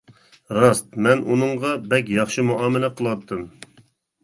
راست مەن ئۇنىڭغا بەك ياخشى مۇئامىلە قىلاتتىم.